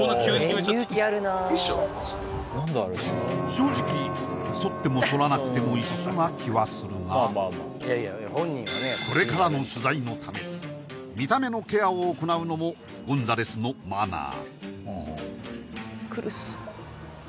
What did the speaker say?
正直剃っても剃らなくても一緒な気はするがこれからの取材のため見た目のケアを行うのもゴンザレスのマナー